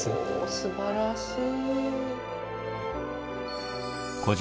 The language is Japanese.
すばらしい。